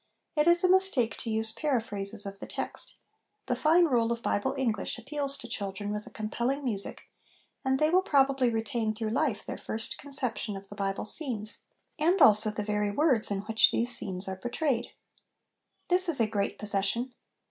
It is a mistake to use paraphrases of the text ; the fine roll of Bible English appeals to children with a compelling music, and they will probably retain through life their first conception of the Bible scenes, and, also, the very words in which these scenes are por trayed. This is a great possession.